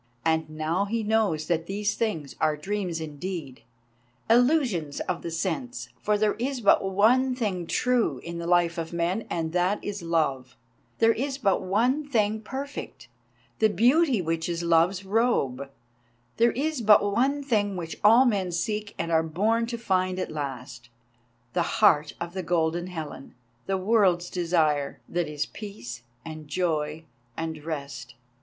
And now he knows that these things are dreams indeed, illusions of the sense, for there is but one thing true in the life of men, and that is Love; there is but one thing perfect, the beauty which is Love's robe; there is but one thing which all men seek and are born to find at last, the heart of the Golden Helen, the World's Desire, that is peace and joy and rest.